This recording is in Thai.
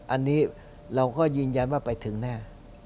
อันนี้เราก็ยืนยันว่าไปถึงแน่